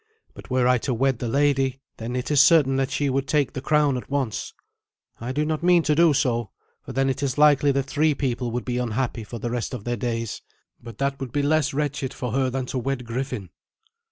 But were I to wed the lady, then it is certain that she would take the crown at once. I do not mean to do so, for then it is likely that three people would be unhappy for the rest of their days. But that would be less wretched for her than to wed Griffin."